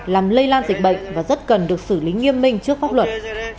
làm lây lan dịch bệnh và rất cần được xử lý nghiêm minh trước pháp luật